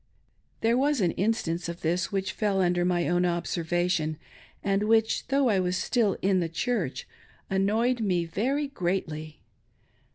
There was an instance of this which fell un^er my own observation, and which, though I was still in the Church, ailhoyed me very greatly.